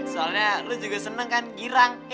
soalnya lu juga senang kan girang